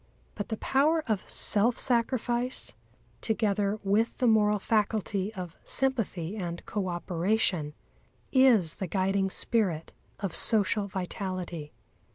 But the power of self sacrifice, together with the moral faculty of sympathy and co operation, is the guiding spirit of social vitality.